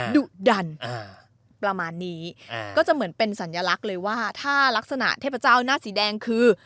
ดุดันประมาณนี้ก็จะเหมือนเป็นสัญลักษณ์เลยว่าถ้ารักษณะเทพเจ้าหน้าสีแดงคือ